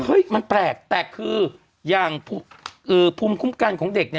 มันแปลกแต่คืออย่างภูมิคุ้มกันของเด็กเนี่ย